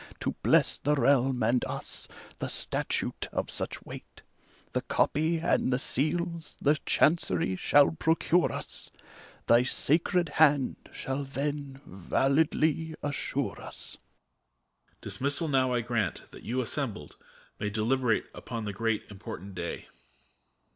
To bless the realm and us, the statute of such weight : The copy and the seals the Chancery shall firocure us, Thy sacred hand shall then validly assure us. EMPEROR. Dismissal now I grant, that you, assembled^ may Deliberate upon the great, important day.